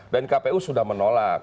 dan kpu sudah menolak